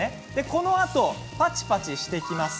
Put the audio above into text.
このあとパチパチしていきます。